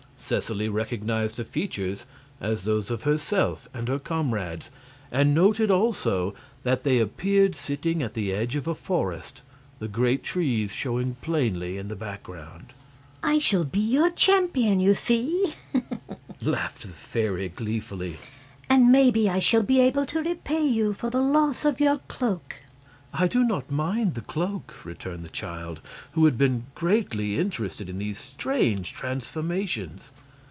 Seseley recognized the features as those of herself and her comrades, and noted also that they appeared sitting at the edge of a forest, the great trees showing plainly in the background. "I shall be your champion, you see," laughed the fairy, gleefully, "and maybe I shall be able to repay you for the loss of your cloak." "I do not mind the cloak," returned the child, who had been greatly interested in these strange transformations.